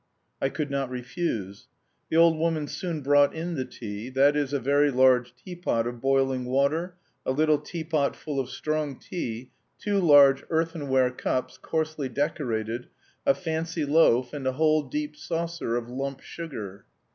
I could not refuse. The old woman soon brought in the tea, that is, a very large tea pot of boiling water, a little tea pot full of strong tea, two large earthenware cups, coarsely decorated, a fancy loaf, and a whole deep saucer of lump sugar.